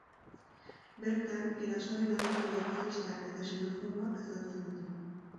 Bertan, erasoaren arrazoi arrazistak eta xenofoboak azaltzen ditu.